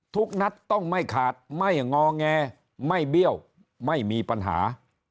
ทุกนัดต้องไม่ขาดไม่งอแงไม่เบี้ยวไม่มีปัญหา